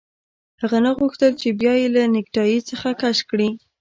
هغه نه غوښتل چې بیا یې له نیکټايي څخه کش کړي